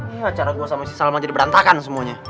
ini acara gue sama si salma jadi berantakan semuanya